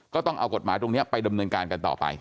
ก็ต้องเอากฎหมายตรงนี้ไปดำเนินการกันต่อไป